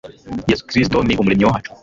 yesu kristo ni umuremyi wacu